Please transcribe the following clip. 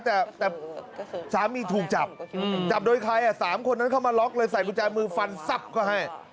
แต่สามีถูกจับจับโดยใคร๓คนนั้นเข้ามาล็อกเลยใส่กุญแจมือฟันซับเขาให้